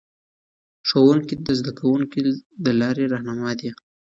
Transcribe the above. ښوونکي د زده کوونکو د لارې رهنما دي.